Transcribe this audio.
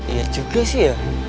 iya juga sih ya